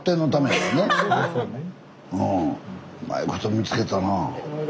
うまいこと見つけた？